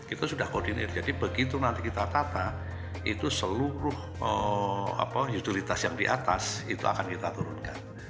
itu sudah koordinir jadi begitu nanti kita tata itu seluruh utilitas yang di atas itu akan kita turunkan